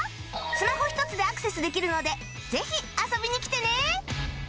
スマホ１つでアクセスできるのでぜひ遊びにきてね